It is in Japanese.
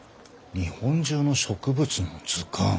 日本中の植物の図鑑？